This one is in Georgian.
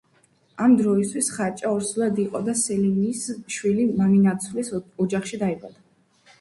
ამ დროისთვის, ხარჭა ორსულად იყო და სელიმის შვილი მამინაცვლის ოჯახში დაიბადა.